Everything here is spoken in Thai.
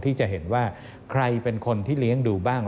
ที่จะเห็นว่าใครเป็นคนที่เลี้ยงดูบ้าง